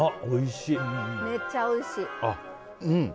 おいしい！